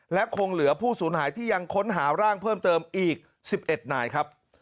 และคงเหลือผู้สูญหายที่ยังค้นหาร่างเพิ่มเติมอีก๑๑นายครับ